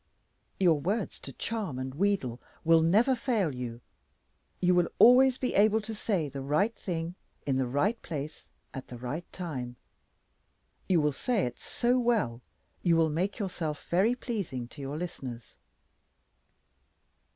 Your words to charm and wheedle will never fail you. You will always be able to say the right thing in the right place at the right time. You will say it so well you will make yourself very pleasing to your listeners.